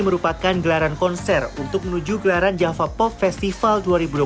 merupakan gelaran konser untuk menuju gelaran java pop festival dua ribu dua puluh